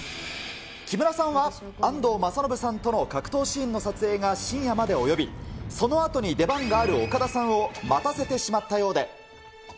木村さんは、安藤政信さんとの格闘シーンの撮影が深夜まで及び、そのあとに出番がある岡田さんを待たせてしまったようで。